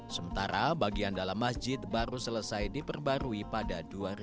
sementara bagian dalam masjid baru selesai diperbarui pada dua ribu tujuh belas